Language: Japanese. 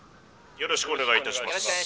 「よろしくお願いします」。